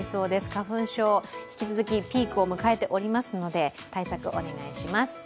花粉症、引き続きピークを迎えておりますので、対策お願いします。